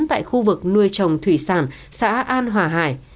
tại khu vực nuôi trồng thủy sản xã an hòa hải